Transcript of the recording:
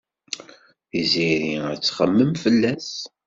Tiziri ad txemmem fell-as.